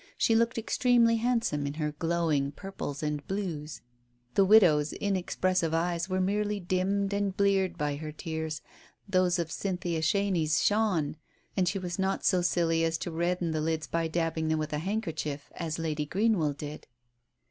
She looked extremely handsome in her glowing purples and blues. The widow's in expressive eyes were merely dimmed and bleared by her tears, those of Cynthia Chenies shone, and she was not so silly as to redden the lids by dabbing them with a handkerchief, as Lady Green well did.